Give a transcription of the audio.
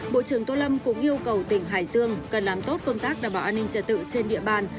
bộ trưởng tô lâm cũng yêu cầu tỉnh hải dương cần làm tốt công tác đảm bảo an ninh trật tự trên địa bàn